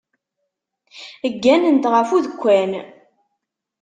Gganent ɣef udekkan.